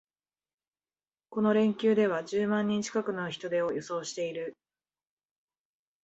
この連休では十万人近くの人出を予想している